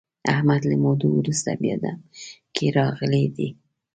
احمد له مودو ورسته بیا دم کې راغلی دی.